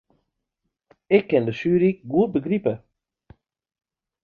Ik kin de sjuery goed begripe.